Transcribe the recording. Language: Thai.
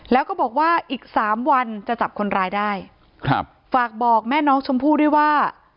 แล้วก็บอกว่าอีกสามวันจะจับคนร้ายได้ครับฝากบอกแม่น้องชมพู่ด้วยว่า